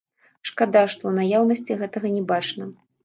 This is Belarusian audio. Шкада, што ў наяўнасці гэтага не бачна.